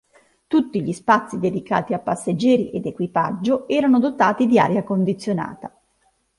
Tutti gli spazi dedicati a passeggeri ed equipaggio erano dotati di aria condizionata.